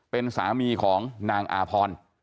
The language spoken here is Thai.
เป็นสามีของนางอาพร